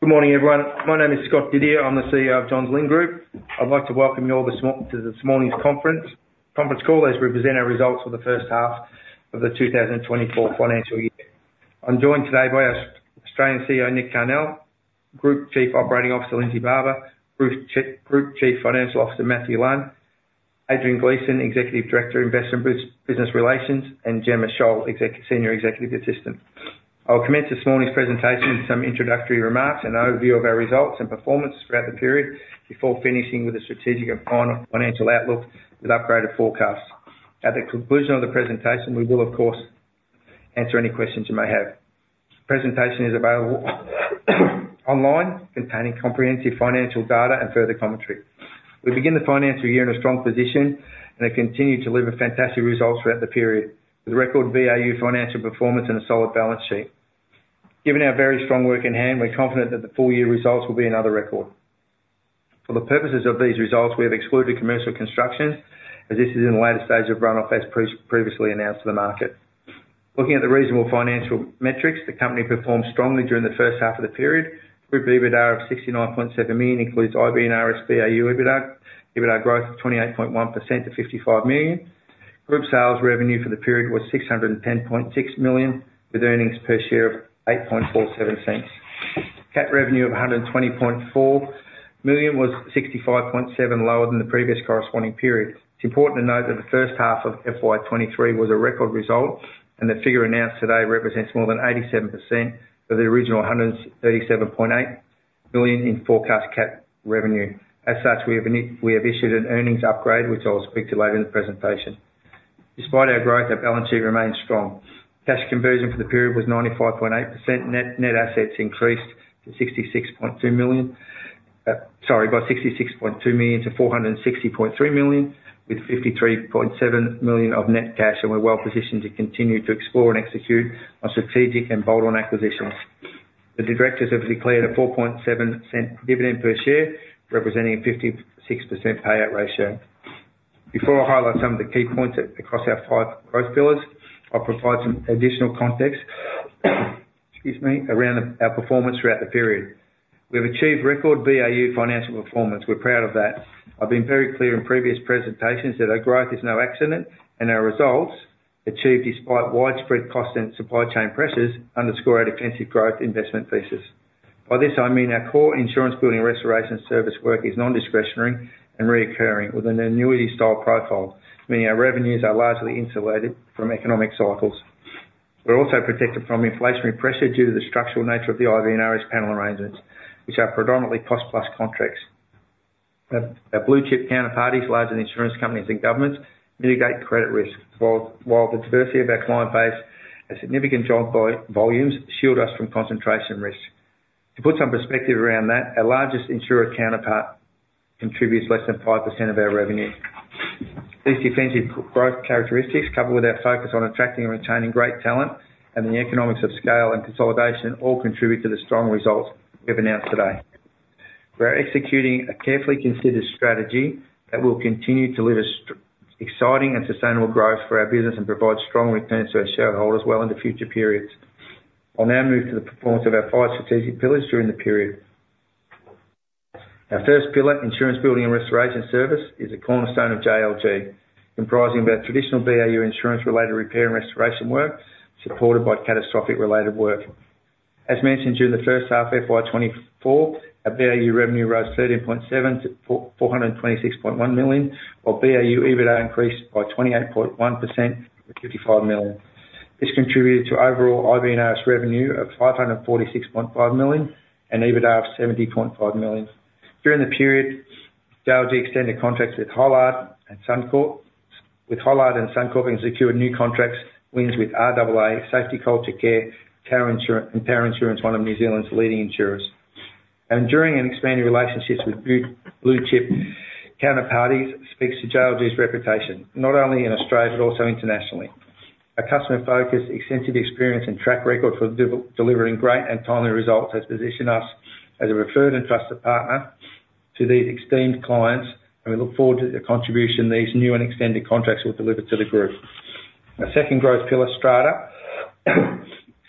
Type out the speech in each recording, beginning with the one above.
Good morning, everyone. My name is Scott Didier. I'm the CEO of Johns Lyng Group. I'd like to welcome you all to this morning's conference call as we present our results for the first half of the 2024 financial year. I'm joined today by our Australian CEO Nick Carnell, Group Chief Operating Officer Lindsay Barber, Group Chief Financial Officer Matthew Lunn, Adrian Gleeson, Executive Director, Investor Relations, and Gemma Sholl, Senior Executive Assistant. I'll commence this morning's presentation with some introductory remarks and an overview of our results and performance throughout the period before finishing with a strategic and final financial outlook with upgraded forecasts. At the conclusion of the presentation, we will, of course, answer any questions you may have. The presentation is available online containing comprehensive financial data and further commentary. We begin the financial year in a strong position and have continued to deliver fantastic results throughout the period with record BAU financial performance and a solid balance sheet. Given our very strong work in hand, we're confident that the full-year results will be another record. For the purposes of these results, we have excluded commercial construction as this is in the latest stage of run-off as previously announced to the market. Looking at the reasonable financial metrics, the company performed strongly during the first half of the period. Group EBITDA of 69.7 million includes IB&RS BAU EBITDA growth of 28.1% to 55 million. Group sales revenue for the period was 610.6 million with earnings per share of 0.0847. Cat revenue of 120.4 million was 65.7% lower than the previous corresponding period. It's important to note that the first half of FY23 was a record result and the figure announced today represents more than 87% of the original 137.8 million in forecast CAT revenue. As such, we have issued an earnings upgrade which I'll speak to later in the presentation. Despite our growth, our balance sheet remained strong. Cash conversion for the period was 95.8%. Net assets increased to 66.2 million sorry, by 66.2 million to 460.3 million with 53.7 million of net cash, and we're well positioned to continue to explore and execute on strategic and bolt-on acquisitions. The directors have declared a 0.047 dividend per share representing a 56% payout ratio. Before I highlight some of the key points across our 5 growth pillars, I'll provide some additional context around our performance throughout the period. We have achieved record BAU financial performance. We're proud of that. I've been very clear in previous presentations that our growth is no accident and our results, achieved despite widespread cost and supply chain pressures, underscore our defensive growth investment thesis. By this, I mean our core insurance building restoration service work is nondiscretionary and recurring with an annuity-style profile, meaning our revenues are largely insulated from economic cycles. We're also protected from inflationary pressure due to the structural nature of the IB&RS panel arrangements which are predominantly cost-plus contracts. Our blue-chip counterparties, larger than insurance companies and governments, mitigate credit risk while the diversity of our client base and significant job volumes shield us from concentration risk. To put some perspective around that, our largest insurer counterpart contributes less than 5% of our revenue. These defensive growth characteristics coupled with our focus on attracting and retaining great talent, and the economies of scale and consolidation all contribute to the strong results we've announced today. We are executing a carefully considered strategy that will continue to deliver exciting and sustainable growth for our business and provide strong returns to our shareholders well into future periods. I'll now move to the performance of our five strategic pillars during the period. Our first pillar, insurance building and restoration service, is a cornerstone of JLG comprising of our traditional BAU insurance-related repair and restoration work supported by catastrophic-related work. As mentioned during the first half of FY24, our BAU revenue rose 13.7% to 426.1 million, while BAU EBITDA increased by 28.1% to 55 million. This contributed to overall IB&RS revenue of 546.5 million and EBITDA of 70.5 million. During the period, JLG extended contracts with Hollard and Suncorp, with Hollard and Suncorp executed new contracts, wins with RAA, SafetyCulture Care, and Tower Insurance, one of New Zealand's leading insurers. Enduring and expanding relationships with blue-chip counterparties speaks to JLG's reputation not only in Australia but also internationally. Our customer focus, extensive experience, and track record for delivering great and timely results has positioned us as a referred and trusted partner to these esteemed clients, and we look forward to the contribution these new and extended contracts will deliver to the group. Our second growth pillar, Strata,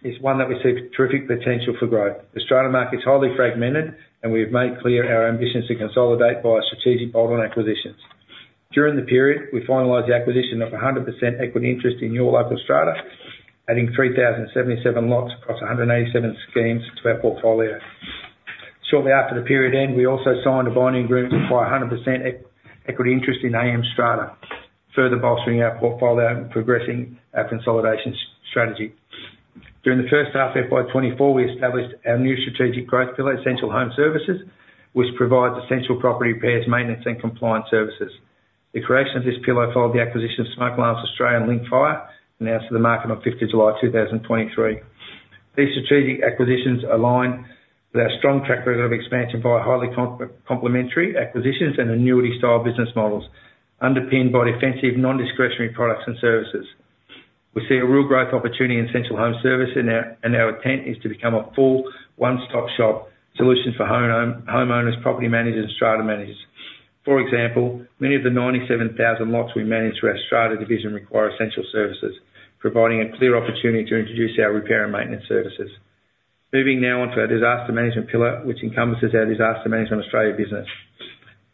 is one that we see terrific potential for growth. The Strata market's highly fragmented, and we have made clear our ambitions to consolidate via strategic bolt-on acquisitions. During the period, we finalised the acquisition of 100% equity interest in Your Local Strata, adding 3,077 lots across 187 schemes to our portfolio. Shortly after the period ended, we also signed a binding agreement to acquire 100% equity interest in AM Strata, further bolstering our portfolio and progressing our consolidation strategy. During the first half of FY24, we established our new strategic growth pillar, Essential Home Services, which provides essential property repairs, maintenance, and compliance services. The creation of this pillar followed the acquisition of Smoke Alarms Australia and Linkfire, announced to the market on 5th July 2023. These strategic acquisitions align with our strong track record of expansion via highly complementary acquisitions and annuity-style business models underpinned by defensive, nondiscretionary products and services. We see a real growth opportunity in Essential Home Services, and our intent is to become a full one-stop shop solution for homeowners, property managers, and Strata managers. For example, many of the 97,000 lots we manage through our Strata division require essential services, providing a clear opportunity to introduce our repair and maintenance services. Moving now on to our disaster management pillar, which encompasses our Disaster Management Australia business.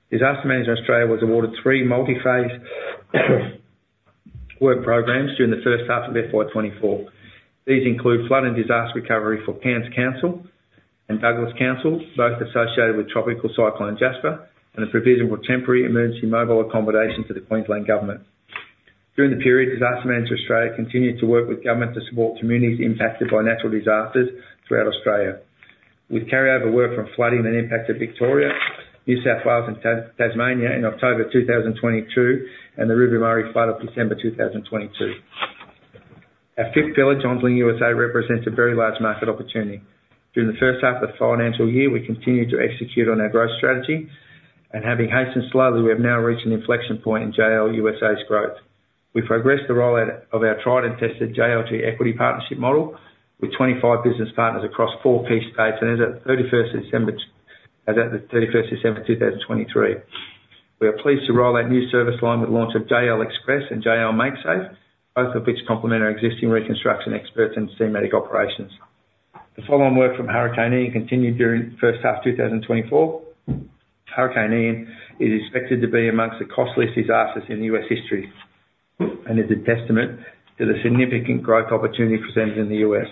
Disaster Management Australia was awarded three multi-phase work programs during the first half of FY24. These include flood and disaster recovery for Cairns Council and Douglas Council, both associated with Tropical Cyclone Jasper, and a provision for temporary emergency mobile accommodation to the Queensland government. During the period, Disaster Management Australia continued to work with government to support communities impacted by natural disasters throughout Australia, with carryover work from flooding that impacted Victoria, New South Wales, and Tasmania in October 2022 and the River Murray flood of December 2022. Our fifth pillar, Johns Lyng USA, represents a very large market opportunity. During the first half of the financial year, we continued to execute on our growth strategy, and having hastened slowly, we have now reached an inflection point in JL USA's growth. We progressed the rollout of our tried-and-tested JLG equity partnership model with 25 business partners across four key states as of the 31st December 2023. We are pleased to rollout new service lines with launch of JL Express and JL MakeSafe, both of which complement our existing reconstruction experts and Steamatic operations. The follow-on work from Hurricane Ian continued during the first half of 2024. Hurricane Ian is expected to be among the costliest disasters in U.S. history and is a testament to the significant growth opportunity presented in the U.S.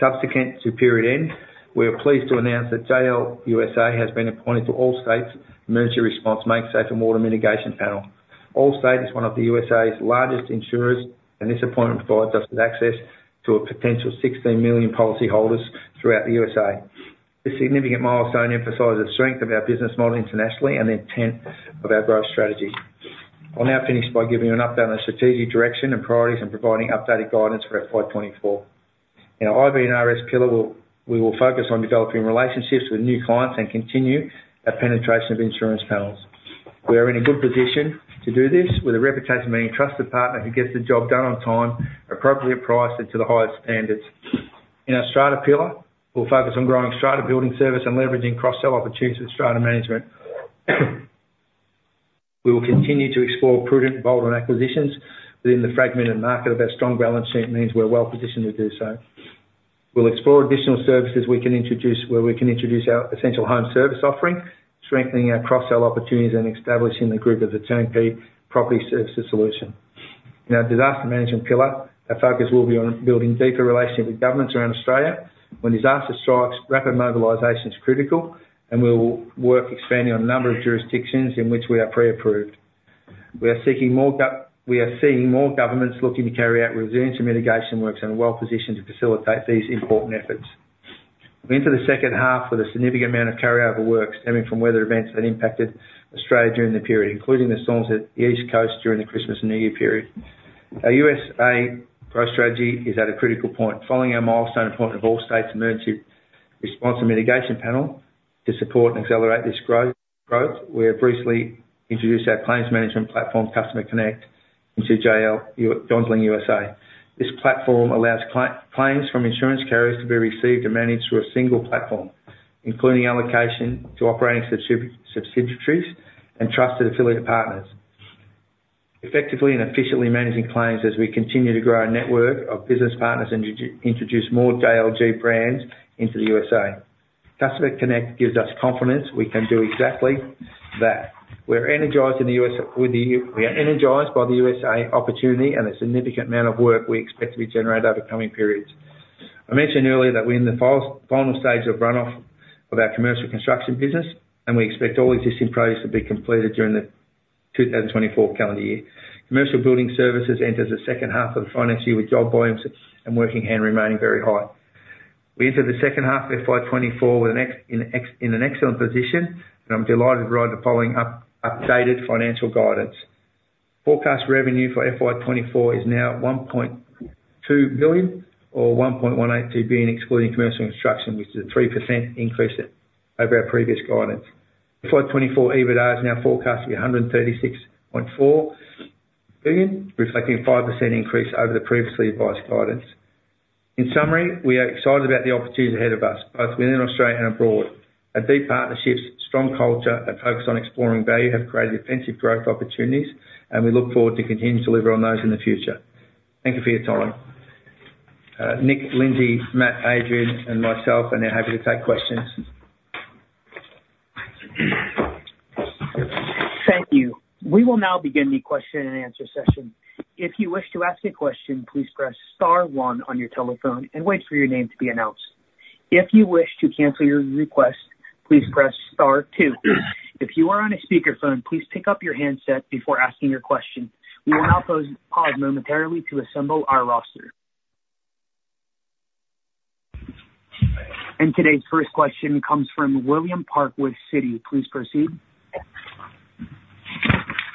Subsequent to period end, we are pleased to announce that JL USA has been appointed to Allstate's Emergency Response MakeSafe and Water Mitigation Panel. Allstate is one of the USA's largest insurers, and this appointment provides us with access to a potential 16 million policyholders throughout the USA. This significant milestone emphasizes the strength of our business model internationally and the intent of our growth strategy. I'll now finish by giving you an update on the strategic direction and priorities and providing updated guidance for FY2024. In our IB&RS pillar, we will focus on developing relationships with new clients and continue our penetration of insurance panels. We are in a good position to do this with a reputation of being a trusted partner who gets the job done on time, appropriately priced, and to the highest standards. In our Strata pillar, we'll focus on growing Strata building service and leveraging cross-sell opportunities with Strata management. We will continue to explore prudent bolt-on acquisitions within the fragmented market of our strong balance sheet, meaning we're well positioned to do so. We'll explore additional services where we can introduce our essential home service offering, strengthening our cross-sell opportunities and establishing the group as a turnkey property services solution. In our Disaster Management pillar, our focus will be on building deeper relationships with governments around Australia when disaster strikes. Rapid mobilisation is critical, and we'll work expanding on a number of jurisdictions in which we are pre-approved. We are seeing more governments looking to carry out resilience and mitigation works and are well positioned to facilitate these important efforts. We enter the second half with a significant amount of carryover work stemming from weather events that impacted Australia during the period, including the storms at the east coast during the Christmas and New Year period. Our USA growth strategy is at a critical point. Following our milestone appointment of Allstate's Emergency Response and Mitigation Panel to support and accelerate this growth, we have briefly introduced our claims management platform, Customer Connect, into Johns Lyng USA. This platform allows claims from insurance carriers to be received and managed through a single platform, including allocation to operating subsidiaries and trusted affiliate partners, effectively and efficiently managing claims as we continue to grow our network of business partners and introduce more JLG brands into the USA. Customer Connect gives us confidence we can do exactly that. We are energized in the USA. We are energized by the USA opportunity and the significant amount of work we expect to be generated over coming periods. I mentioned earlier that we're in the final stage of run-off of our commercial construction business, and we expect all existing projects to be completed during the 2024 calendar year. Commercial building services enter the second half of the financial year with job volumes and work in hand remaining very high. We enter the second half of FY24 in an excellent position, and I'm delighted to provide the following updated financial guidance. Forecast revenue for FY24 is now 1.2 billion or 1.182 billion, excluding commercial construction, which is a 3% increase over our previous guidance. FY24 EBITDA is now forecast to be 136.4 million, reflecting a 5% increase over the previously advised guidance. In summary, we are excited about the opportunity ahead of us, both within Australia and abroad. Our deep partnerships, strong culture, and focus on exploring value have created defensive growth opportunities, and we look forward to continuing to deliver on those in the future. Thank you for your time. Nick, Lindsay, Matt, Adrian, and myself are now happy to take questions. Thank you. We will now begin the question-and-answer session. If you wish to ask a question, please press star one on your telephone and wait for your name to be announced. If you wish to cancel your request, please press star two. If you are on a speakerphone, please pick up your handset before asking your question. We will now pause momentarily to assemble our roster. And today's first question comes from William Park, Citi. Please proceed.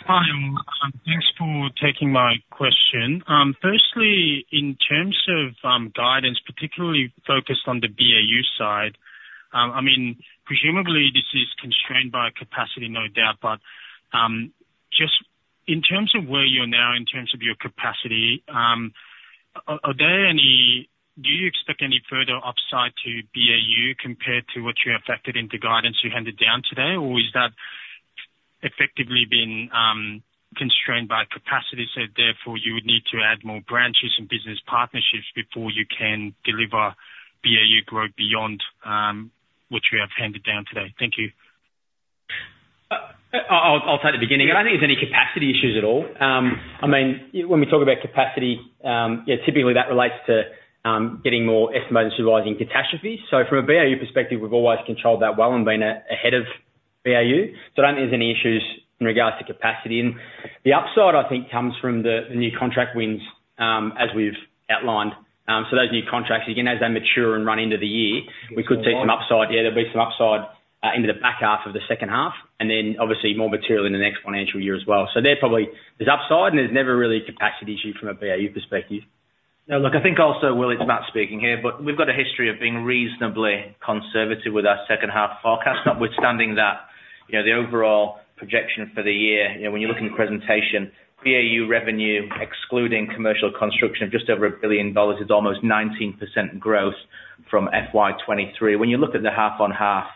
Hi. Thanks for taking my question. Firstly, in terms of guidance, particularly focused on the BAU side, I mean, presumably this is constrained by capacity, no doubt, but just in terms of where you are now in terms of your capacity, do you expect any further upside to BAU compared to what you've factored into guidance you handed down today, or has that effectively been constrained by capacity, so therefore you would need to add more branches and business partnerships before you can deliver BAU growth beyond what you have handed down today? Thank you. I'll start at the beginning. I don't think there's any capacity issues at all. I mean, when we talk about capacity, typically that relates to getting more estimates and supervising catastrophes. So from a BAU perspective, we've always controlled that well and been ahead of BAU, so I don't think there's any issues in regards to capacity. And the upside, I think, comes from the new contract wins as we've outlined. So those new contracts, again, as they mature and run into the year, we could see some upside. Yeah, there'll be some upside into the back half of the second half and then, obviously, more material in the next financial year as well. So there's upside, and there's never really a capacity issue from a BAU perspective. No, look, I think also Will, it's Matt speaking here, but we've got a history of being reasonably conservative with our second half forecast, notwithstanding the overall projection for the year. When you look at the presentation, BAU revenue, excluding commercial construction of just over 1 billion dollars, is almost 19% growth from FY23. When you look at the half-on-half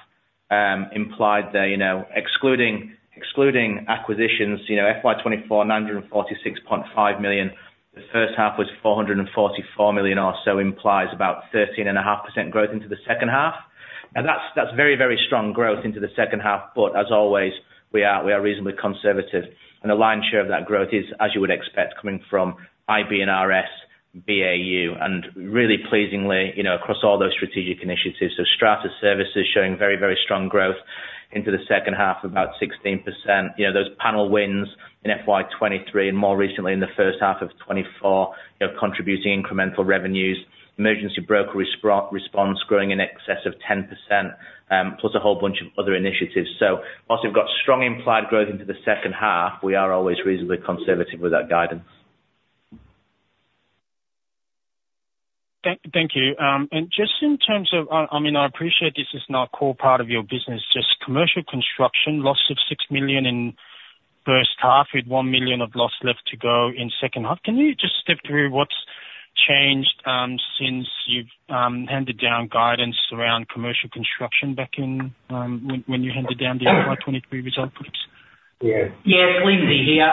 implied there, excluding acquisitions, FY24, 946.5 million, the first half was 444 million or so, implies about 13.5% growth into the second half. Now, that's very, very strong growth into the second half, but as always, we are reasonably conservative. And the lion's share of that growth is, as you would expect, coming from IB&RS, BAU, and really pleasingly across all those strategic initiatives. So Strata services showing very, very strong growth into the second half, about 16%. Those panel wins in FY23 and more recently in the first half of 2024, contributing incremental revenues, emergency brokerage response growing in excess of 10%, plus a whole bunch of other initiatives. So whilst we've got strong implied growth into the second half, we are always reasonably conservative with our guidance. Thank you. And just in terms of—I mean, I appreciate this is not a core part of your business—just commercial construction, loss of 6 million in first half with 1 million of loss left to go in second half. Can you just step through what's changed since you've handed down guidance around commercial construction back in when you handed down the FY 2023 result, please? Yes. Yes, Lindsay here.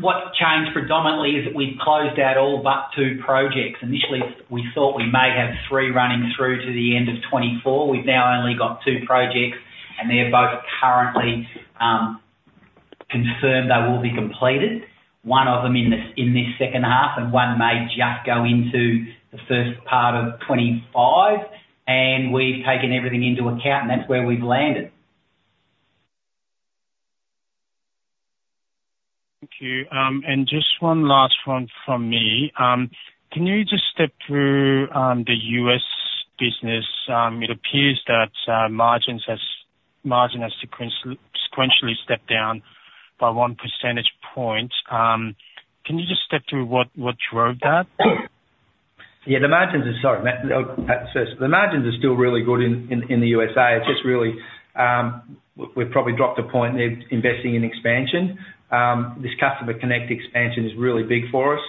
What's changed predominantly is that we've closed out all but two projects. Initially, we thought we may have three running through to the end of 2024. We've now only got two projects, and they're both currently confirmed they will be completed, one of them in this second half and one may just go into the first part of 2025. And we've taken everything into account, and that's where we've landed. Thank you. Just one last one from me. Can you just step through the US business? It appears that margin has sequentially stepped down by 1 percentage point. Can you just step through what drove that? Yeah, the margins are. Sorry, Matt. Oh, Matt, first. The margins are still really good in the USA. It's just really we've probably dropped 1 point there investing in expansion. This Customer Connect expansion is really big for us.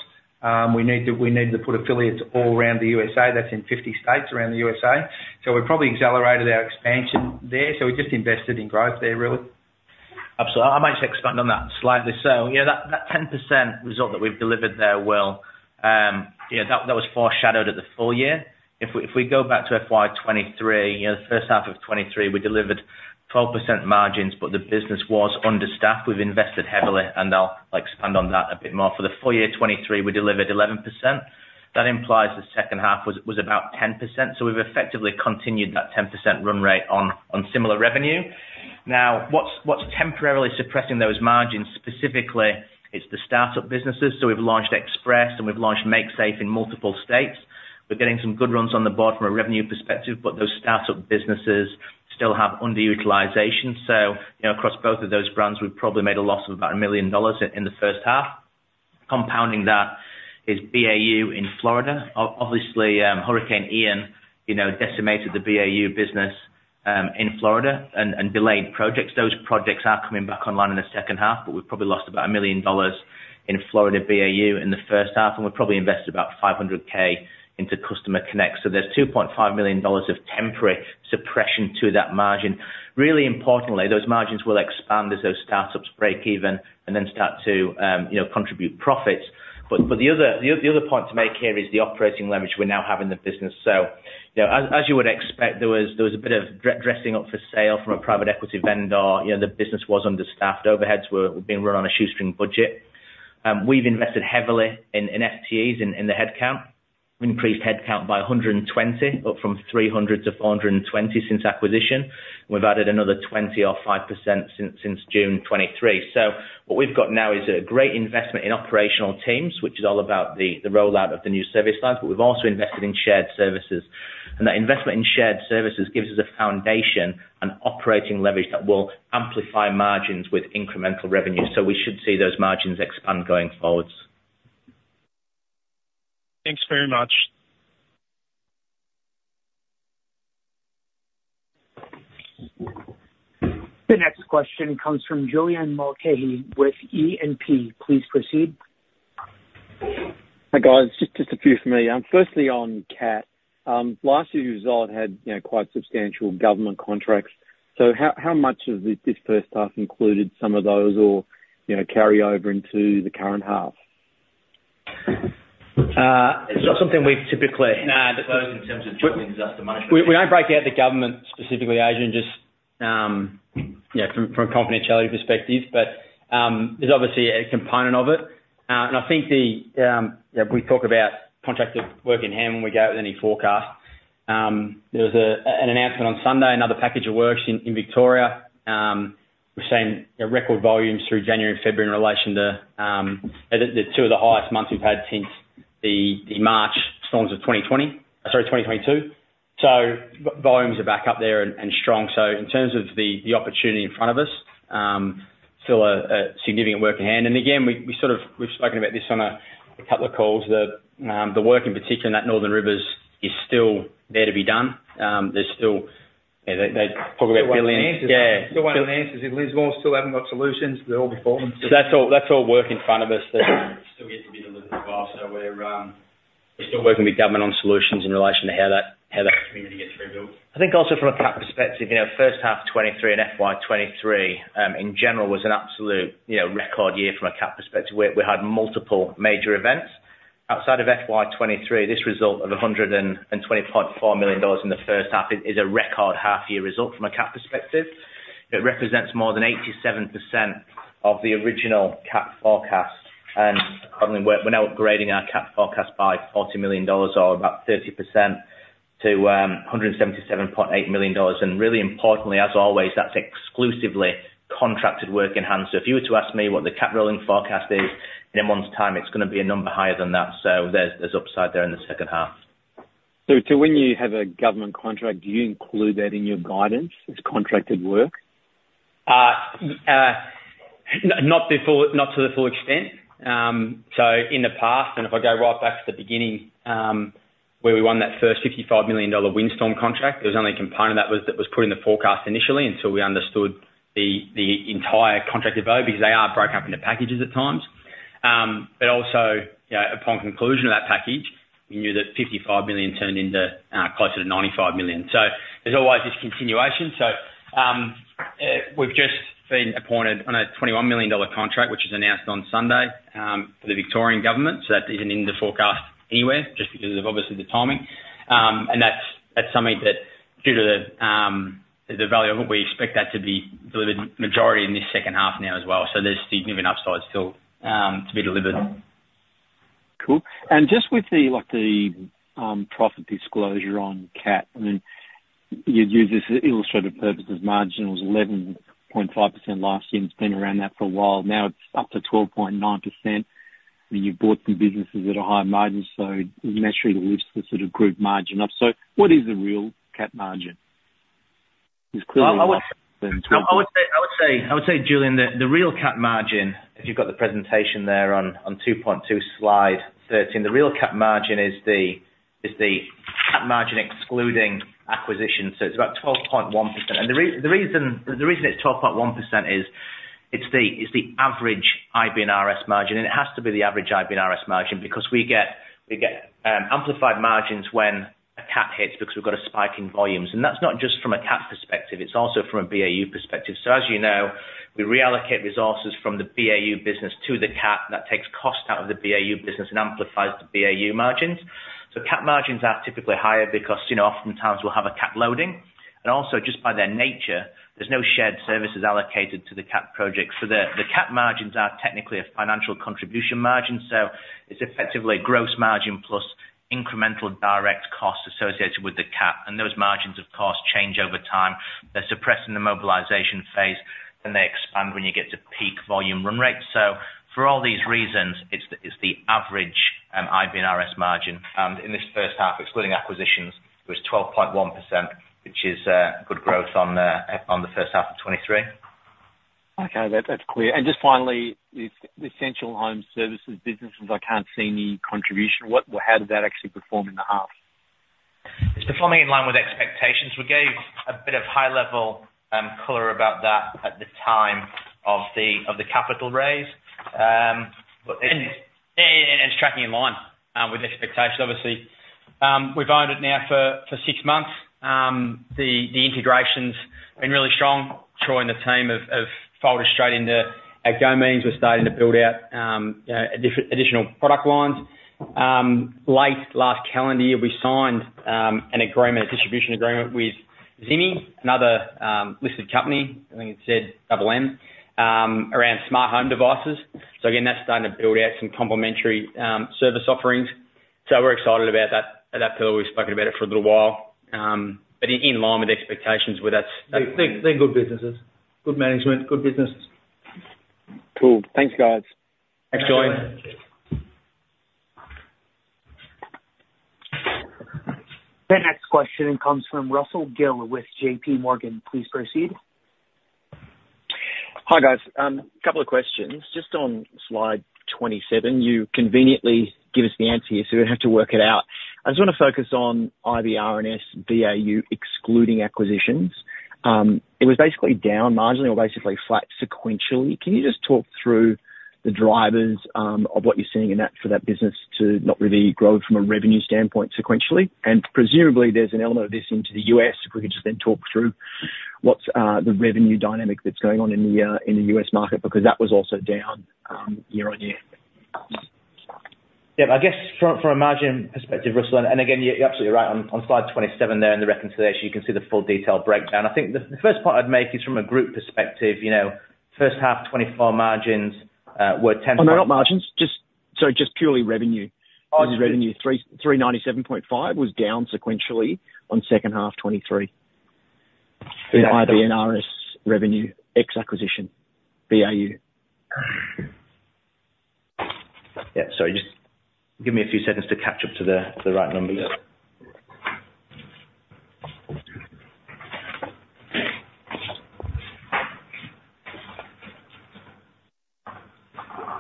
We need to put affiliates all around the USA. That's in 50 states around the USA. So we probably accelerated our expansion there. So we just invested in growth there, really. I might expand on that slightly. So that 10% result that we've delivered there will yeah, that was foreshadowed at the full year. If we go back to FY23, the first half of 2023, we delivered 12% margins, but the business was understaffed. We've invested heavily, and I'll expand on that a bit more. For the full year 2023, we delivered 11%. That implies the second half was about 10%. So we've effectively continued that 10% run rate on similar revenue. Now, what's temporarily suppressing those margins specifically, it's the startup businesses. So we've launched Express, and we've launched MakeSafe in multiple states. We're getting some good runs on the board from a revenue perspective, but those startup businesses still have underutilization. So across both of those brands, we've probably made a loss of about $1 million in the first half. Compounding that is BAU in Florida. Obviously, Hurricane Ian decimated the BAU business in Florida and delayed projects. Those projects are coming back online in the second half, but we've probably lost about $1 million in Florida BAU in the first half, and we've probably invested about $500,000 into Customer Connect. So there's $2.5 million of temporary suppression to that margin. Really importantly, those margins will expand as those startups break even and then start to contribute profits. But the other point to make here is the operating leverage we're now having the business. So as you would expect, there was a bit of dressing up for sale from a private equity vendor. The business was understaffed. Overheads were being run on a shoestring budget. We've invested heavily in FTEs in the headcount. We've increased headcount by 120, up from 300 to 420 since acquisition. We've added another 20 or 5% since June 2023. What we've got now is a great investment in operational teams, which is all about the rollout of the new service lines, but we've also invested in shared services. That investment in shared services gives us a foundation and operating leverage that will amplify margins with incremental revenue. We should see those margins expand going forward. Thanks very much. The next question comes from Julian Mulcahy with E&P. Please proceed. Hi guys. Just a few for me. Firstly, on CAT, last year's result had quite substantial government contracts. So how much of this first half included some of those or carryover into the current half? It's not something we've typically. No, that goes in terms of jointly disaster management. We don't break out the government specifically, Adrian, just from a confidentiality perspective, but there's obviously a component of it. And I think we talk about contracted work in hand when we go out with any forecast. There was an announcement on Sunday, another package of works in Victoria. We're seeing record volumes through January and February in relation to they're two of the highest months we've had since the March storms of 2020, sorry, 2022. So volumes are back up there and strong. So in terms of the opportunity in front of us, still a significant work in hand. And again, we've spoken about this on a couple of calls. The work in particular in that Northern Rivers is still there to be done. There's still they talk about billions. They want answers. They want answers. Lindsay, more still haven't got solutions. They're all before them. That's all work in front of us that. Still yet to be delivered as well. So we're still working with government on solutions in relation to how that community gets rebuilt. I think also from a CAT perspective, first half 2023 and FY23 in general was an absolute record year from a CAT perspective. We had multiple major events. Outside of FY23, this result of 120.4 million dollars in the first half is a record half-year result from a CAT perspective. It represents more than 87% of the original CAT forecast. Accordingly, we're now upgrading our CAT forecast by 40 million dollars or about 30% to 177.8 million dollars. Really importantly, as always, that's exclusively contracted work in hand. If you were to ask me what the CAT rolling forecast is in a month's time, it's going to be a number higher than that. There's upside there in the second half. So when you have a government contract, do you include that in your guidance as contracted work? Not to the full extent. So in the past, and if I go right back to the beginning where we won that first 55 million dollar windstorm contract, there was only a component of that that was put in the forecast initially until we understood the entire contracted value because they are broken up into packages at times. But also, upon conclusion of that package, we knew that 55 million turned into closer to 95 million. So there's always this continuation. So we've just been appointed on a 21 million dollar contract, which was announced on Sunday for the Victorian government. So that isn't in the forecast anywhere just because of, obviously, the timing. And that's something that due to the value of it, we expect that to be delivered majority in this second half now as well. So there's significant upside still to be delivered. Cool. Just with the profit disclosure on CAT, I mean, you'd use this as illustrative purposes. Margin was 11.5% last year. It's been around that for a while. Now it's up to 12.9%. I mean, you've bought some businesses at a high margin, so it naturally lifts the sort of group margin up. What is the real CAT margin? It's clearly 11% and 12%. I would say, Julian, the real CAT margin if you've got the presentation there on 2.2, slide 13, the real CAT margin is the CAT margin excluding acquisition. So it's about 12.1%. And the reason it's 12.1% is it's the average IB&RS margin. And it has to be the average IB&RS margin because we get amplified margins when a CAT hits because we've got a spike in volumes. And that's not just from a CAT perspective. It's also from a BAU perspective. So as you know, we reallocate resources from the BAU business to the CAT. That takes cost out of the BAU business and amplifies the BAU margins. So CAT margins are typically higher because oftentimes we'll have a CAT loading. And also, just by their nature, there's no shared services allocated to the CAT projects. So the CAT margins are technically a financial contribution margin. It's effectively a gross margin plus incremental direct costs associated with the CAT. Those margins, of course, change over time. They're suppressed in the mobilization phase, then they expand when you get to peak volume run rate. For all these reasons, it's the average IB&RS margin. In this first half, excluding acquisitions, it was 12.1%, which is good growth on the first half of 2023. Okay. That's clear. Just finally, the essential home services businesses, I can't see any contribution. How did that actually perform in the half? It's performing in line with expectations. We gave a bit of high-level color about that at the time of the capital raise. It's tracking in line with expectations, obviously. We've owned it now for six months. The integration's been really strong. Troy and the team have folded straight into our domains. We're starting to build out additional product lines. Late last calendar year, we signed an agreement, a distribution agreement, with Zimi, another listed company. I think it said around smart home devices. So again, that's starting to build out some complementary service offerings. We're excited about that pillar. We've spoken about it for a little while. But in line with expectations, that's. They're good businesses. Good management. Good businesses. Cool. Thanks, guys. Thanks, Julian. The next question comes from Russell Gill with J.P. Morgan. Please proceed. Hi guys. A couple of questions. Just on slide 27, you conveniently give us the answer here, so we'd have to work it out. I just want to focus on IB&RS BAU excluding acquisitions. It was basically down marginally or basically flat sequentially. Can you just talk through the drivers of what you're seeing in that for that business to not really grow from a revenue standpoint sequentially? And presumably, there's an element of this into the U.S. If we could just then talk through what's the revenue dynamic that's going on in the U.S. market because that was also down year-on-year. Yeah. I guess from a margin perspective, Russell, and again, you're absolutely right. On slide 27 there in the reconciliation, you can see the full detail breakdown. I think the first point I'd make is from a group perspective. First half 2024 margins were 10%. Oh, no. Not margins. Sorry, just purely revenue. This is revenue. 397.5 was down sequentially on second half 2023 in IB&RS revenue ex acquisition BAU. Yeah. Sorry. Just give me a few seconds to catch up to the right numbers.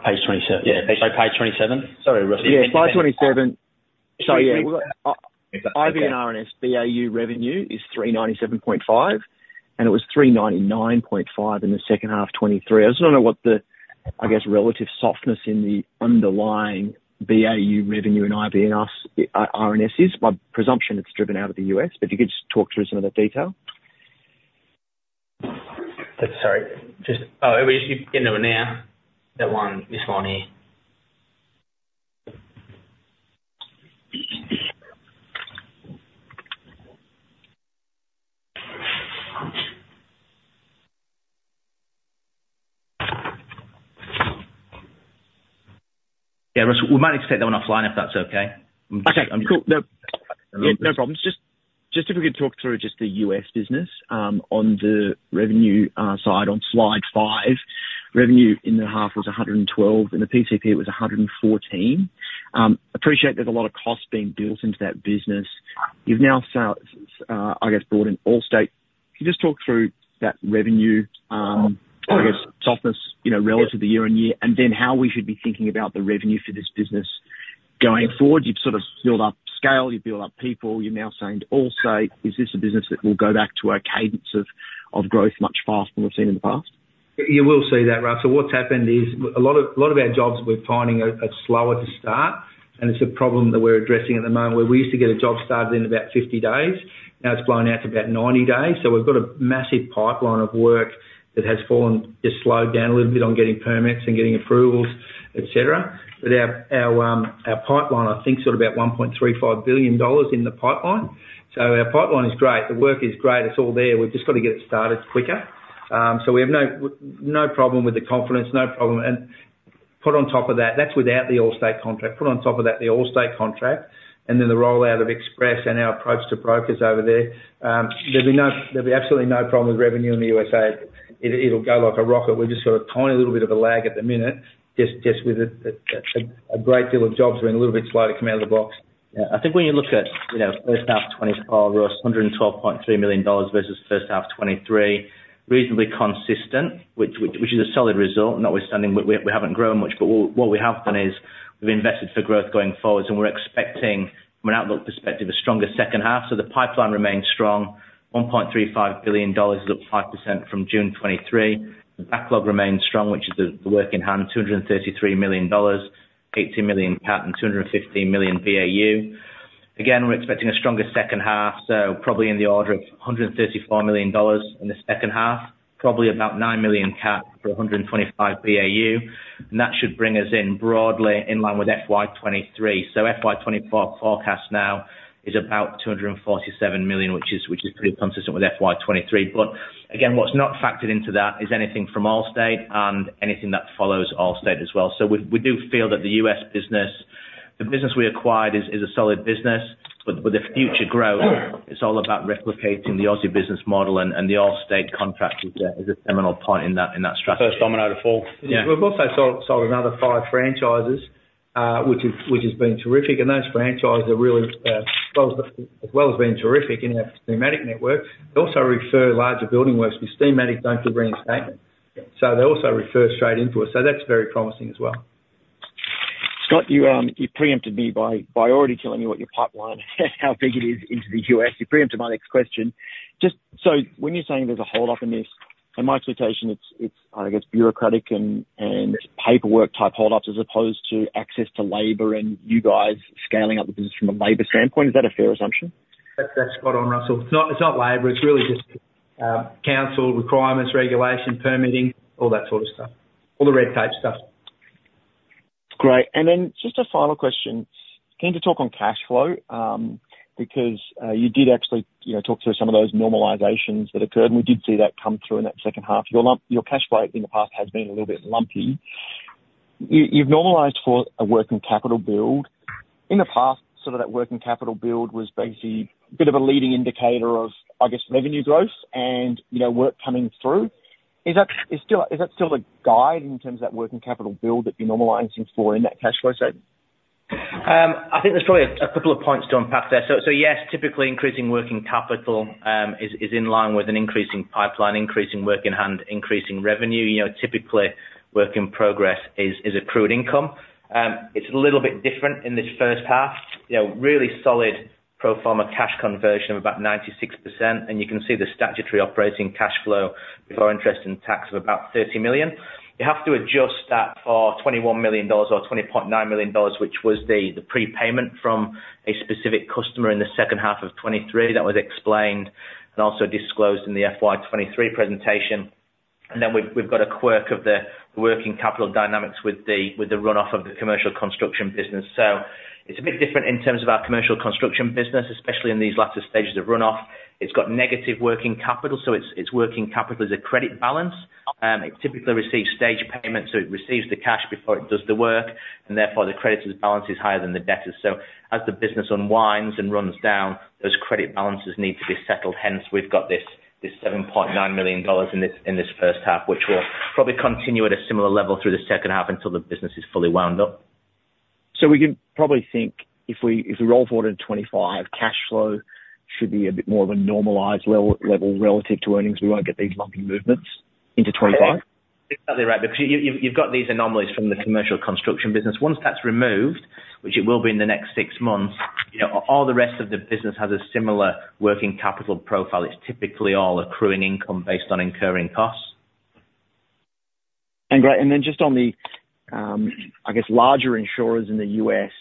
Page 27. Yeah. Sorry, page 27? Sorry, Russell. Yeah. Slide 27. So yeah, IB&RS BAU revenue is 397.5, and it was 399.5 in the second half 2023. I just don't know what the, I guess, relative softness in the underlying BAU revenue in IB&RS is. My presumption it's driven out of the U.S., but if you could just talk through some of the detail. Sorry. Oh, it was just you've been now. This one here. Yeah, Russell, we might expect that one offline if that's okay. I'm just. Okay. Cool. No problem. Just if we could talk through just the US business on the revenue side on slide 5. Revenue in the half was $112. In the PCP, it was $114. Appreciate there's a lot of costs being built into that business. You've now, I guess, brought in Allstate. Can you just talk through that revenue, I guess, softness relative to year-on-year and then how we should be thinking about the revenue for this business going forward? You've sort of built up scale. You've built up people. You're now saying to Allstate, "Is this a business that will go back to a cadence of growth much faster than we've seen in the past?" You will see that, Russell. What's happened is a lot of our jobs, we're finding are slower to start. It's a problem that we're addressing at the moment where we used to get a job started in about 50 days. Now it's blown out to about 90 days. So we've got a massive pipeline of work that has fallen just slowed down a little bit on getting permits and getting approvals, etc. But our pipeline, I think, is sort of about $1.35 billion in the pipeline. So our pipeline is great. The work is great. It's all there. We've just got to get it started quicker. So we have no problem with the confidence. No problem. And put on top of that that's without the Allstate contract. Put on top of that the Allstate contract and then the rollout of Express and our approach to brokers over there, there'll be absolutely no problem with revenue in the USA. It'll go like a rocket. We've just got a tiny little bit of a lag at the minute just with a great deal of jobs being a little bit slow to come out of the box. Yeah. I think when you look at first half 2024, Russ, 112.3 million dollars versus first half 2023, reasonably consistent, which is a solid result. We haven't grown much, but what we have done is we've invested for growth going forward. And we're expecting, from an outlook perspective, a stronger second half. So the pipeline remains strong. 1.35 billion dollars is up 5% from June 2023. The backlog remains strong, which is the work in hand, 233 million dollars, 18 million CAT, and 215 million BAU. Again, we're expecting a stronger second half. So probably in the order of 134 million dollars in the second half, probably about 9 million CAT for 125 million BAU. And that should bring us in broadly in line with FY23. So FY24 forecast now is about 247 million, which is pretty consistent with FY23. Again, what's not factored into that is anything from Allstate and anything that follows Allstate as well. So we do feel that the US business the business we acquired is a solid business. With the future growth, it's all about replicating the Aussie business model. The Allstate contract is a seminal point in that strategy. First domino to fall. We've also sold another five franchises, which has been terrific. Those franchises, as well as being terrific in our schematic network, they also refer larger building works. We schematic don't do reinstatement. They also refer straight into us. That's very promising as well. Scott, you preempted me by already telling me what your pipeline and how big it is into the U.S. You preempted my next question. When you're saying there's a holdup in this, in my expectation, it's, I guess, bureaucratic and paperwork-type holdups as opposed to access to labor and you guys scaling up the business from a labor standpoint. Is that a fair assumption? That's spot on, Russell. It's not labor. It's really just council requirements, regulation, permitting, all that sort of stuff. All the red tape stuff. Great. Just a final question. I came to talk on cash flow because you did actually talk through some of those normalisations that occurred. We did see that come through in that second half. Your cash flow in the past has been a little bit lumpy. You've normalised for a working capital build. In the past, sort of that working capital build was basically a bit of a leading indicator of, I guess, revenue growth and work coming through. Is that still a guide in terms of that working capital build that you're normalising for in that cash flow statement? I think there's probably a couple of points to unpack there. So yes, typically, increasing working capital is in line with an increasing pipeline, increasing work in hand, increasing revenue. Typically, work in progress is accrued income. It's a little bit different in this first half. Really solid pro forma cash conversion of about 96%. And you can see the statutory operating cash flow before interest and tax of about 30 million. You have to adjust that for 21 million dollars or 20.9 million dollars, which was the prepayment from a specific customer in the second half of 2023 that was explained and also disclosed in the FY23 presentation. And then we've got a quirk of the working capital dynamics with the runoff of the commercial construction business. So it's a bit different in terms of our commercial construction business, especially in these latter stages of runoff. It's got negative working capital. Its working capital is a credit balance. It typically receives stage payments. It receives the cash before it does the work. Therefore, the creditor's balance is higher than the debtor's. As the business unwinds and runs down, those credit balances need to be settled. Hence, we've got this 7.9 million dollars in this first half, which will probably continue at a similar level through the second half until the business is fully wound up. So we can probably think if we roll forward into 2025, cash flow should be a bit more of a normalized level relative to earnings. We won't get these lumpy movements into 2025. Exactly right. Because you've got these anomalies from the commercial construction business. Once that's removed, which it will be in the next six months, all the rest of the business has a similar working capital profile. It's typically all accruing income based on incurring costs. And great. And then just on the, I guess, larger insurers in the U.S.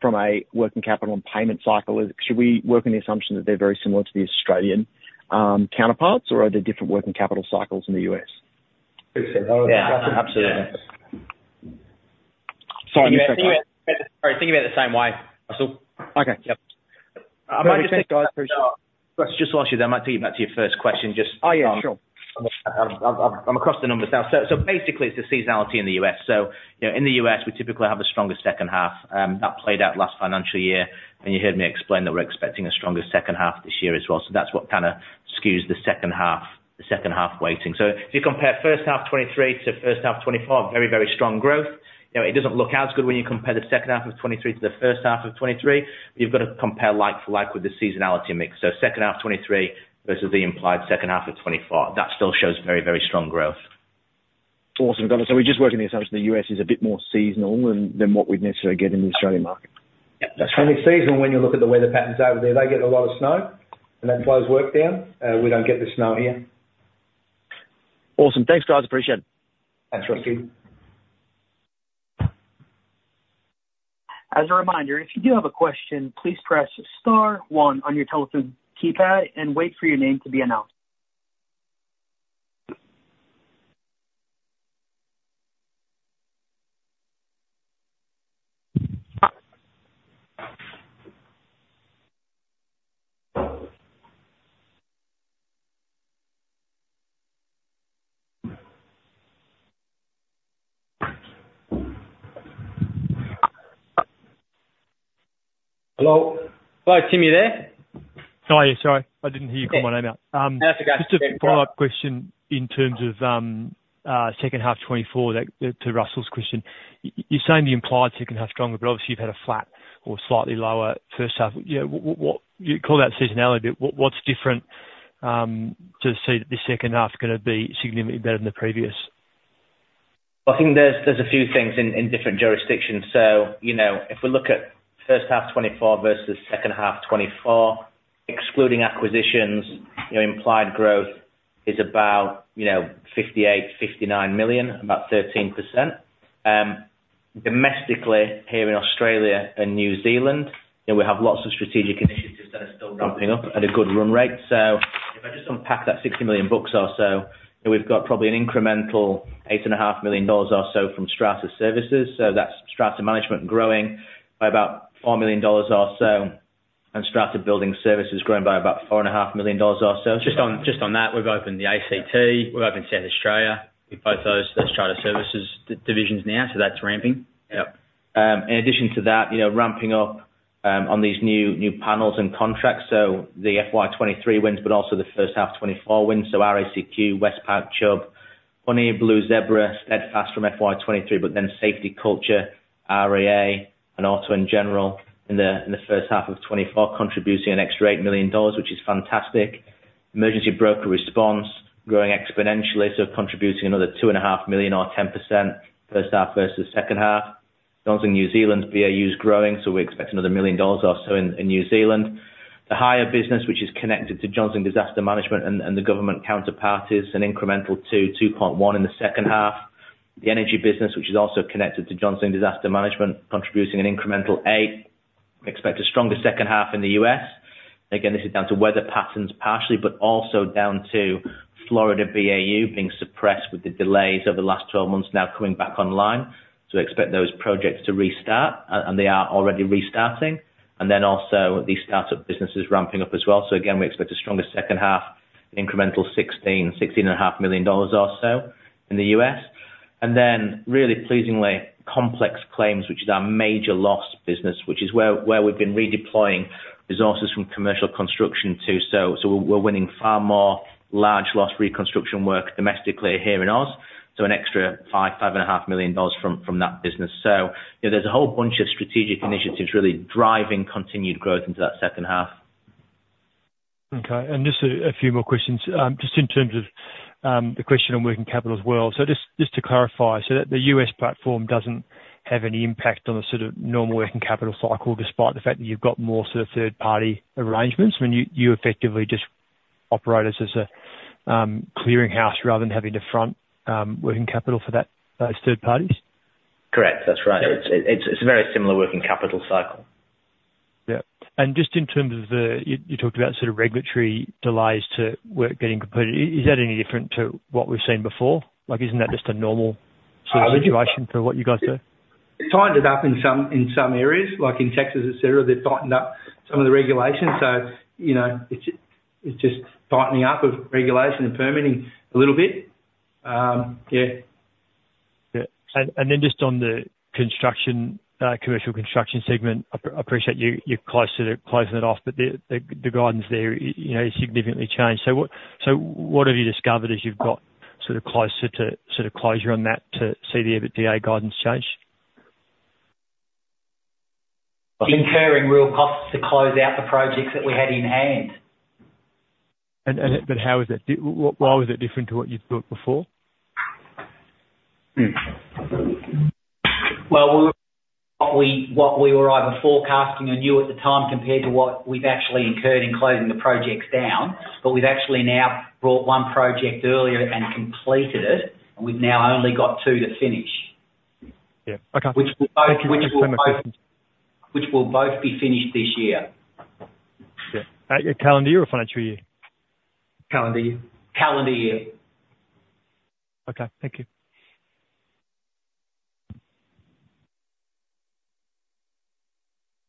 from a working capital and payment cycle, should we work on the assumption that they're very similar to the Australian counterparts? Or are there different working capital cycles in the U.S.? Absolutely. Sorry. I missed that question. Sorry. Thinking about it the same way, Russell. Okay. I might just. Russell, just while you're there, I might take you back to your first question. Just. Oh, yeah. Sure. I'm across the numbers now. So basically, it's the seasonality in the U.S. So in the U.S., we typically have a stronger second half. That played out last financial year. And you heard me explain that we're expecting a stronger second half this year as well. So that's what kind of skews the second half weighting. So if you compare first half 2023 to first half 2024, very, very strong growth. It doesn't look as good when you compare the second half of 2023 to the first half of 2023. But you've got to compare like for like with the seasonality mix. So second half 2023 versus the implied second half of 2024, that still shows very, very strong growth. Awesome. Got it. We're just working the assumption the U.S. is a bit more seasonal than what we'd necessarily get in the Australian market. Yeah. That's right. It's seasonal when you look at the weather patterns over there. They get a lot of snow, and that blows work down. We don't get the snow here. Awesome. Thanks, guys. Appreciate it. Thanks, Russell. As a reminder, if you do have a question, please press star one on your telephone keypad and wait for your name to be announced. Hello. Hi, Timmy. There? How are you? Sorry. I didn't hear you call my name out. No, that's okay. Just a follow-up question in terms of second half 2024 to Russell's question. You're saying the implied second half is stronger, but obviously, you've had a flat or slightly lower first half. You call that seasonality. What's different to see that this second half is going to be significantly better than the previous? Well, I think there's a few things in different jurisdictions. So if we look at first half 2024 versus second half 2024, excluding acquisitions, implied growth is about 58 million-59 million, about 13%. Domestically, here in Australia and New Zealand, we have lots of strategic initiatives that are still ramping up at a good run rate. So if I just unpack that 60 million bucks or so, we've got probably an incremental 8.5 million dollars or so from Strata Services. So that's Strata Management growing by about 4 million dollars or so and Strata Building Services growing by about 4.5 million dollars or so. Just on that, we've opened the ACT. We've opened South Australia. We've both those Strata Services divisions now. So that's ramping. Yeah. In addition to that, ramping up on these new panels and contracts. So the FY23 wins, but also the first half 2024 wins. So RACQ, Westpac, Chubb, Honey, Blue Zebra, Steadfast from FY23, but then SafetyCulture Care, RAA, and Auto & General in the first half of 2024 contributing an extra 8 million dollars, which is fantastic. Emergency broker response growing exponentially. So contributing another 2.5 million or 10% first half versus second half. Johns and New Zealand BAUs growing. So we expect another 1 million dollars or so in New Zealand. The hire business, which is connected to Johns and Disaster Management and the government counterparties, an incremental AUD 2 million- 2.1 million in the second half. The energy business, which is also connected to Johns and Disaster Management, contributing an incremental 8 million. We expect a stronger second half in the US. Again, this is down to weather patterns partially, but also down to Florida BAU being suppressed with the delays over the last 12 months now coming back online. So we expect those projects to restart. And they are already restarting. And then also, these startup businesses ramping up as well. So again, we expect a stronger second half, an incremental $16 million-$16.5 million or so in the US. And then really pleasingly, complex claims, which is our major loss business, which is where we've been redeploying resources from commercial construction too. So we're winning far more large loss reconstruction work domestically here in Ozs, so an extra 5 million-5.5 million dollars from that business. So there's a whole bunch of strategic initiatives really driving continued growth into that second half. Okay. And just a few more questions. Just in terms of the question on working capital as well. So just to clarify, so the U.S. platform doesn't have any impact on the sort of normal working capital cycle despite the fact that you've got more sort of third-party arrangements? I mean, you effectively just operate as a clearinghouse rather than having to front working capital for those third parties? Correct. That's right. It's a very similar working capital cycle. Yeah. Just in terms of the you talked about sort of regulatory delays to work getting completed. Is that any different to what we've seen before? Isn't that just a normal sort of situation for what you guys do? It's tightened it up in some areas. In Texas, etc., they've tightened up some of the regulations. So it's just tightening up of regulation and permitting a little bit. Yeah. Yeah. And then just on the commercial construction segment, I appreciate you're closing it off. But the guidance there is significantly changed. So what have you discovered as you've got sort of closer to sort of closure on that to see the EBITDA guidance change? Incurred real costs to close out the projects that we had in hand. But how is that? Why was that different to what you thought before? Well, what we were either forecasting or knew at the time compared to what we've actually incurred in closing the projects down. But we've actually now brought one project earlier and completed it. And we've now only got two to finish, which will both. Yeah. Okay. Thank you. Thank you. Which will both be finished this year. Yeah. Calendar year or financial year? Calendar year. Calendar year. Okay. Thank you.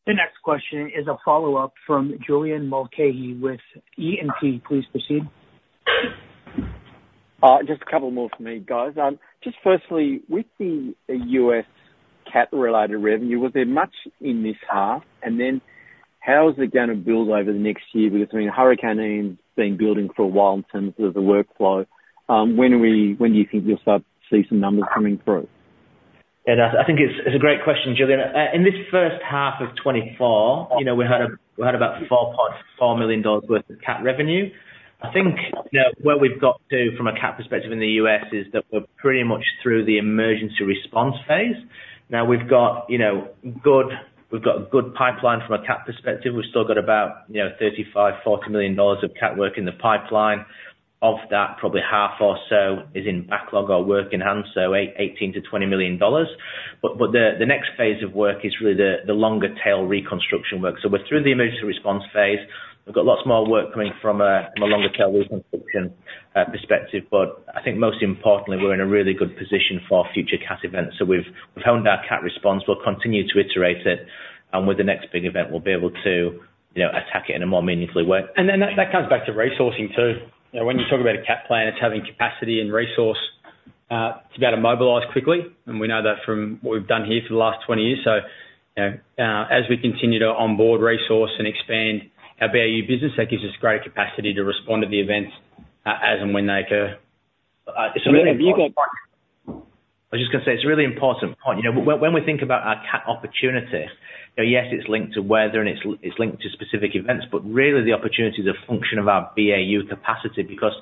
The next question is a follow-up from Julian Mulcahy with E&P. Please proceed. Just a couple more for me, guys. Just firstly, with the U.S. CAT-related revenue, was there much in this half? And then how is it going to build over the next year? Because I mean, Hurricane Ian's been building for a while in terms of the workflow. When do you think you'll start to see some numbers coming through? Yeah. I think it's a great question, Julian. In this first half of 2024, we had about $4.4 million worth of CAT revenue. I think where we've got to from a CAT perspective in the US is that we're pretty much through the emergency response phase. Now, we've got a good pipeline from a CAT perspective. We've still got about $35 million-$40 million of CAT work in the pipeline. Of that, probably half or so is in backlog or work in hand, so $18 million-$20 million. But the next phase of work is really the longer-tail reconstruction work. So we're through the emergency response phase. We've got lots more work coming from a longer-tail reconstruction perspective. But I think most importantly, we're in a really good position for future CAT events. So we've honed our CAT response. We'll continue to iterate it. With the next big event, we'll be able to attack it in a more meaningful way. And then that comes back to resourcing too. When you talk about a CAT plan, it's having capacity and resource to be able to mobilize quickly. We know that from what we've done here for the last 20 years. As we continue to onboard resource and expand our BAU business, that gives us greater capacity to respond to the events as and when they occur. So really, have you got? I was just going to say it's a really important point. When we think about our CAT opportunity, yes, it's linked to weather, and it's linked to specific events. But really, the opportunity is a function of our BAU capacity because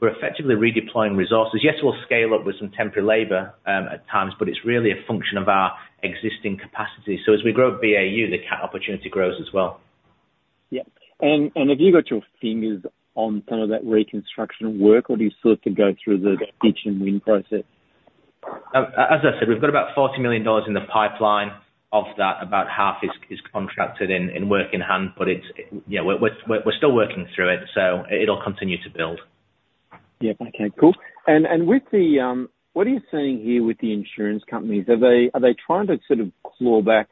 we're effectively redeploying resources. Yes, we'll scale up with some temporary labor at times. But it's really a function of our existing capacity. So as we grow BAU, the CAT opportunity grows as well. Yeah. And have you got your fingers on some of that reconstruction work? Or do you still have to go through the pitch and win process? As I said, we've got about 40 million dollars in the pipeline. Of that, about half is contracted in work in hand. But we're still working through it. So it'll continue to build. Yeah. Okay. Cool. And what are you seeing here with the insurance companies? Are they trying to sort of claw back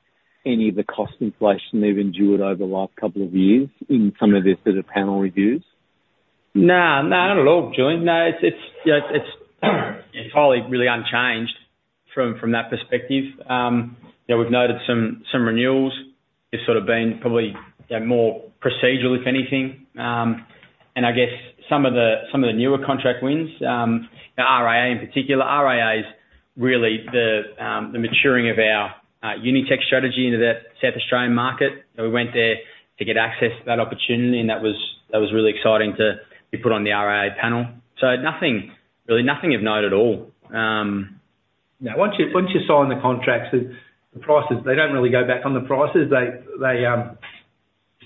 any of the cost inflation they've endured over the last couple of years in some of their sort of panel reviews? No. No. Not at all, Julian. No. It's probably really unchanged from that perspective. We've noted some renewals. It's sort of been probably more procedural, if anything. And I guess some of the newer contract wins, RAA in particular. RAA is really the maturing of our Unitech strategy into that South Australian market. We went there to get access to that opportunity. And that was really exciting to be put on the RAA panel. So really, nothing of note at all. Once you sign the contracts, the prices, they don't really go back. On the prices, they like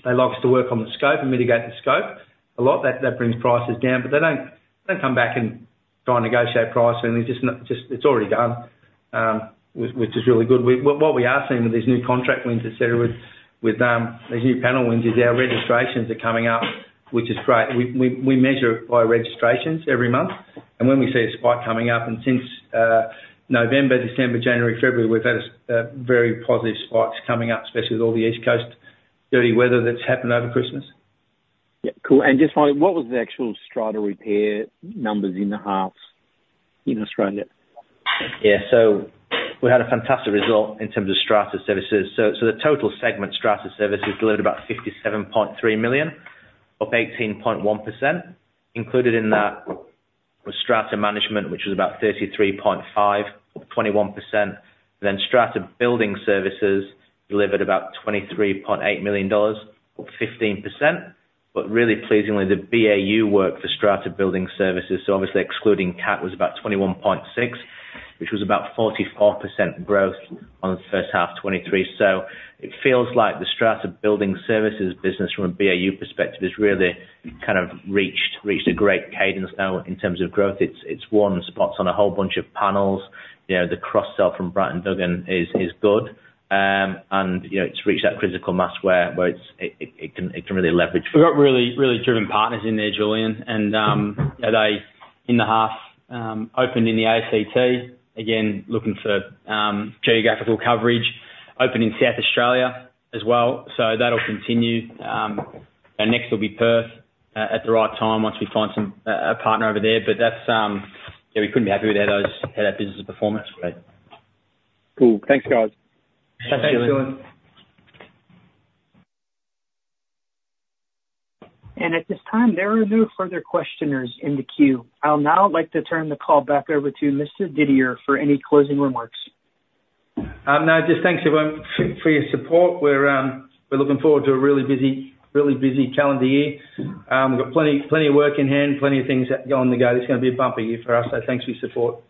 us to work on the scope and mitigate the scope a lot. That brings prices down. But they don't come back and try and negotiate pricing. It's already done, which is really good. What we are seeing with these new contract wins, etc., with these new panel wins is our registrations are coming up, which is great. We measure it by registrations every month. And when we see a spike coming up and since November, December, January, February, we've had very positive spikes coming up, especially with all the East Coast dirty weather that's happened over Christmas. Yeah. Cool. And just finally, what was the actual Strata Repair numbers in the halves in Australia? Yeah. So we had a fantastic result in terms of Strata Services. So the total segment Strata Services delivered about 57.3 million of 18.1%. Included in that was Strata Management, which was about 33.5 million of 21%. Then Strata Building Services delivered about 23.8 million dollars of 15%. But really pleasingly, the BAU work for Strata Building Services, so obviously, excluding CAT, was about 21.6 million, which was about 44% growth on the first half 2023. So it feels like the Strata Building Services business from a BAU perspective has really kind of reached a great cadence now in terms of growth. It's won spots on a whole bunch of panels. The cross-sell from Bright & Duggan is good. And it's reached that critical mass where it can really leverage. We've got really driven partners in there, Julian. And in the half, opened in the ACT, again, looking for geographical coverage, opened in South Australia as well. So that'll continue. Next, it'll be Perth at the right time once we find a partner over there. But we couldn't be happier with how that business has performed. That's great. Cool. Thanks, guys. Thanks, Julian. At this time, there are no further questioners in the queue. I'll now like to turn the call back over to Mr. Didier for any closing remarks. No. Just thanks everyone for your support. We're looking forward to a really busy calendar year. We've got plenty of work in hand, plenty of things going to go. It's going to be a bumpy year for us. So thanks for your support.